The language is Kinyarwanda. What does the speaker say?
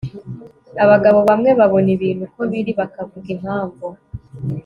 abagabo bamwe babona ibintu uko biri bakavuga impamvu